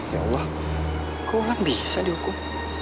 ya allah kok bisa dihukum